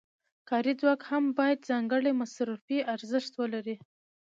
کاري ځواک هم باید ځانګړی مصرفي ارزښت ولري